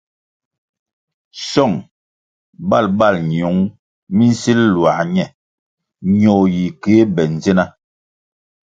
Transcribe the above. Song bal bal ñiung mi nsil luā ñe ñoh yi kéh be ndzina.